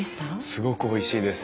すごくおいしいです。